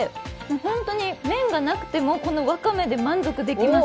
ほんとに麺がなくてもこのわかめで満足できます。